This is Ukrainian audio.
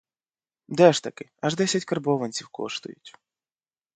Де ж таки, аж десять карбованців коштують!